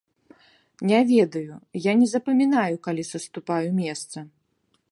Не ведаю, я не запамінаю, калі саступаю месца.